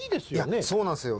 いやそうなんですよ。